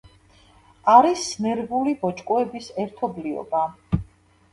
არის ნერვული ბოჭკოების ერთობლიობა.